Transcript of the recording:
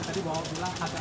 jadi perkejaan antara